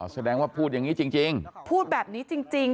อ๋อแสดงว่าพูดอย่างงี้จริงจริงพูดแบบนี้จริงจริง